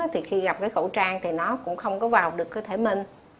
thì khi gặp cái khẩu trang thì nó cũng không có vào được cơ thể minh